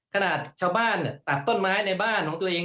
ขนาดชาวบ้านตัดต้นไม้ในบ้านของตัวเอง